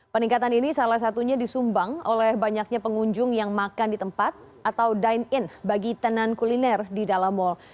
peningkatan ini salah satunya disumbang oleh banyaknya pengunjung yang makan di tempat atau dine in bagi tenan kuliner di dalam mal